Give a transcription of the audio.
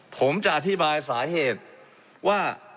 ผมจะอธิบายสาเหตุว่า